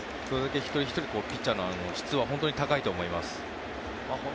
一人ひとりピッチャーの質は本当に高いと思います。